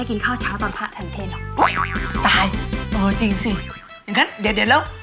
อืมเออ